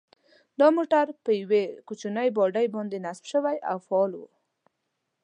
دا موټر په یوې کوچنۍ باډۍ باندې نصب شوی او فعال و.